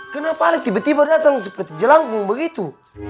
kenapa tiba tiba dateng seperti jelangkung begitu